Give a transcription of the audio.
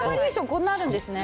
こうなるんですね。